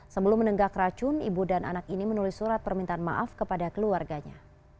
sebelum menenggak racun ibu dan anak ini menulis surat permintaan maaf kepada keluarganya